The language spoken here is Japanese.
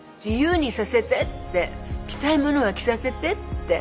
着たいものは着させてって。